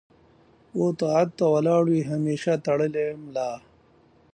و طاعت و ته ولاړ وي همېشه تړلې ملا